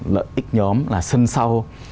lợi ích nhóm là sân sau